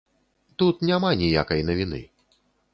Тут няма ніякай навіны.